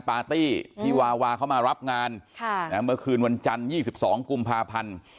พี่วาวาเขามารับงานเมื่อคืนวันจันทร์ยี่สิบสองกุมภาพันธ์